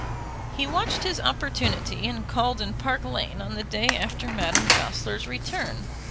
He watched his opportunity, and called in Park Lane on the day after Madame Goesler's return.